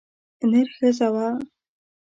نره ښځه وه.